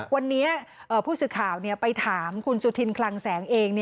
วันนี้ผู้สื่อข่าวไปถามคุณสุธินคลังแสงเอง